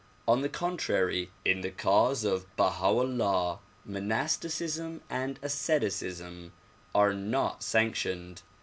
On the contrary, in the cause of Baha 'Ullah monasticism and asceticism are not sanctioned.